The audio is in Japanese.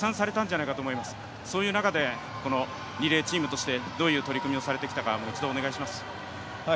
そういう中でリレーチームとしてどういう取り組みをされてきたかもう一度お願いします。